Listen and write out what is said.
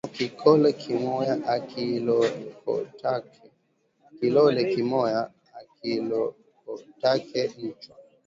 Kilole kimoya akilokotake nchawa